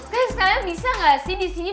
guys kalian bisa gak sih disini